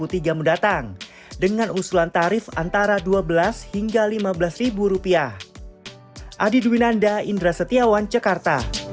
juni dua ribu dua puluh tiga mendatang dengan usulan tarif antara rp dua belas hingga rp lima belas